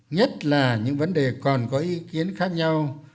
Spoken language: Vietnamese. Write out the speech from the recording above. nhất là những vấn đề còn có ý kiến khác nhau